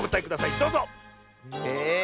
どうぞ！え。